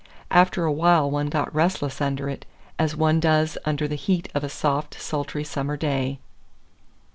After a while one got restless under it, as one does under the heat of a soft, sultry summer day.